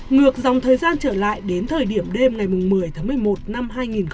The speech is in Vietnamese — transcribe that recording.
ngược dòng thời gian trở lại đến thời điểm đêm ngày một mươi tháng một mươi một năm hai nghìn hai mươi